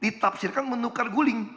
ditafsirkan menukar guling